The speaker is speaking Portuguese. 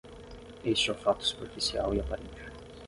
Este é o fato superficial e aparente.